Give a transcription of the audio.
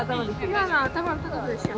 今の頭の高さでしたよ。